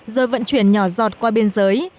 rồi vận chuyển nhỏ giọt qua biên giới